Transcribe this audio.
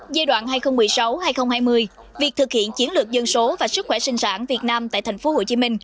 giai đoạn hai nghìn một mươi sáu hai nghìn hai mươi việc thực hiện chiến lược dân số và sức khỏe sinh sản việt nam tại tp hcm